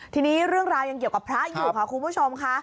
ทีนี้เรื่องราวยังเกี่ยวกับพระอยู่ค่ะคุณผู้ชมค่ะ